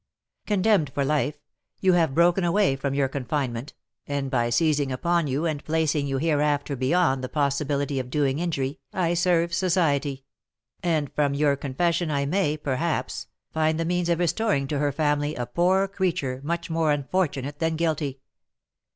Condemned for life, you have broken away from your confinement, and by seizing upon you and placing you hereafter beyond the possibility of doing injury, I serve society; and from your confession I may, perhaps, find the means of restoring to her family a poor creature much more unfortunate than guilty.